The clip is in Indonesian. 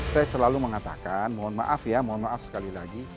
saya selalu mengatakan mohon maaf ya mohon maaf sekali lagi